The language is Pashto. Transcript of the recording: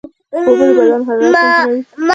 اوبه د بدن حرارت تنظیموي.